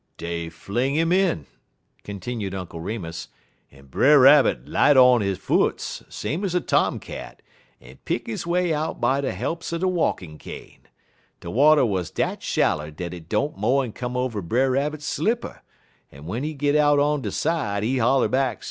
"Dey fling 'im in," continued Uncle Remus, "en Brer Rabbit light on he foots, same ez a tomcat, en pick his way out by de helps er de walkin' cane. De water wuz dat shaller dat it don't mo'n come over Brer Rabbit slipper, en w'en he git out on t'er side, he holler back, sezee: "'So long, Brer Fox!'"